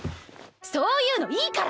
そういうのいいから！